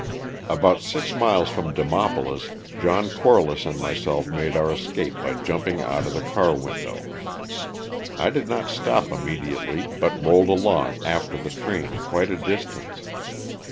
About six miles from Demopolis, John Corliss and myself made our escape by jumping out of the car window. I did not stop immediately but rolled along after the train quite a distance.